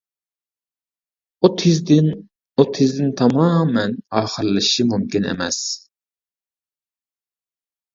ئۇ تىزدىن ئۇ تىزدىن تامامەن ئاخىرلىشىشى مۇمكىن ئەمەس.